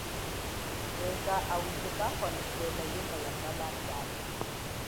Sweka auze kakwandhujola yuma yambala yathu.